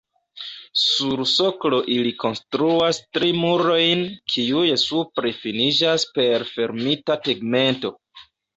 Sur soklo ili konstruas tri murojn, kiuj supre finiĝas per fermita tegmento.